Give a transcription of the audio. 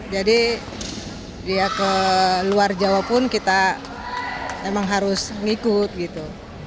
jadi dia ke luar jawa pun kita emang harus ngikut gitu